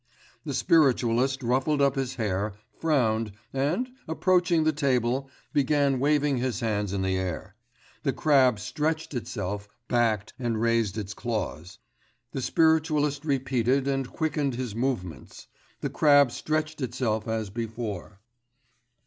The spiritualist ruffled up his hair, frowned, and, approaching the table, began waving his hands in the air; the crab stretched itself, backed, and raised its claws. The spiritualist repeated and quickened his movements; the crab stretched itself as before.